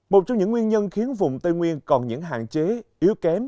một trong những nguyên nhân khiến vùng tây nguyên còn những hạn chế yếu kém